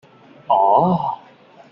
啊～